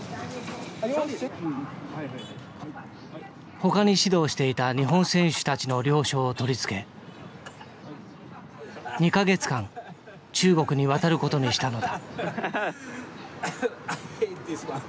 ほかに指導していた日本選手たちの了承を取り付け２か月間中国に渡ることにしたのだ。